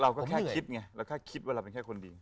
เราก็แค่คิดไงเราแค่คิดว่าเราเป็นแค่คนดี